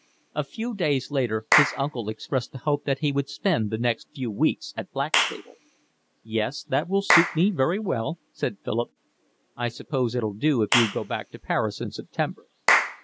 A few days later his uncle expressed the hope that he would spend the next few weeks at Blackstable. "Yes, that will suit me very well," said Philip. "I suppose it'll do if you go back to Paris in September."